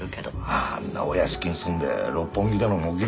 あんなお屋敷に住んで六本木での目撃情報も多い。